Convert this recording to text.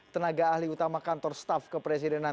tenaga ahli utama kantor staf kepresidenan